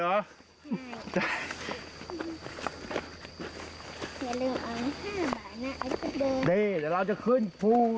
อย่าลืมเอาห้าบาทน่ะไอศติมเดินนี่เดี๋ยวเราจะขึ้นภูเหล็ก